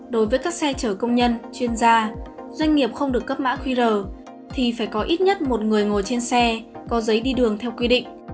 đối với các xe chở công nhân chuyên gia doanh nghiệp không được cấp mã qr thì phải có ít nhất một người ngồi trên xe có giấy đi đường theo quy định